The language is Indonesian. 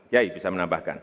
yay bisa menambahkan